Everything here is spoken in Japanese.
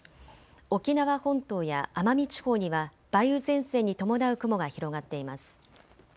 沖縄本島や奄美地方には梅雨前線に伴う雲が広がっています。